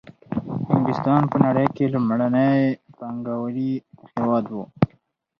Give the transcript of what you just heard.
انګلستان په نړۍ کې لومړنی پانګوالي هېواد وو